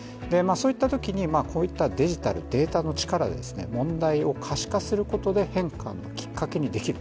そういったときにこういったデジタル、データの力で問題を可視化することで変化のきっかけにできると。